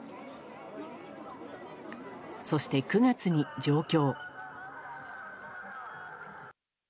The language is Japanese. そして、９月に上京。